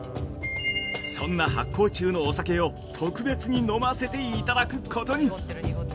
◆そんな発酵中のお酒を特別に飲ませていただくことに。